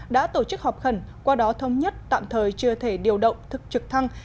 đã tổ chức họp khẩn qua đó thống nhất tạm thời chưa thể điều động thực trực thăng